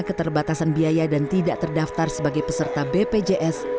keterbatasan biaya dan tidak terdaftar sebagai peserta bpjs